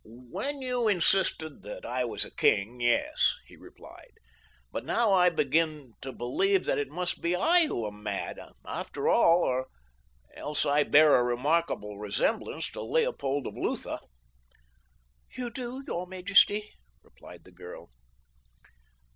"When you insisted that I was a king, yes," he replied. "But now I begin to believe that it must be I who am mad, after all, or else I bear a remarkable resemblance to Leopold of Lutha." "You do, your majesty," replied the girl.